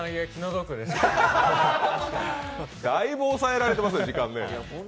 だいぶ押さえられてますね、時間ね。